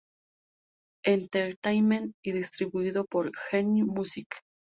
Entertainment y distribuido por Genie Music.